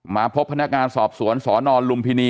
มาพบพนักงานสอบสวนสนลุมพินี